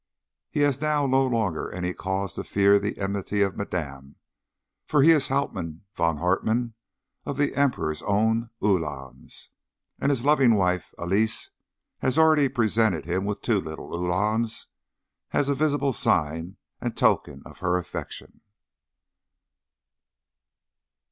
He has now no longer any cause to fear the enmity of Madame, for he is Hauptmann von Hartmann of the Emperor's own Uhlans, and his loving wife Elise has already presented him with two little Uhlans as a visible sign and token of her affection.